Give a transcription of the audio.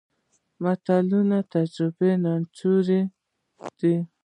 متلونه د تجربو نچوړ دی